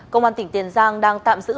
công an tỉnh tiền giang đang tạm giữ